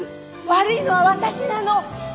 悪いのは私なの！